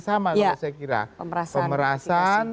sama kalau saya kira pemerasan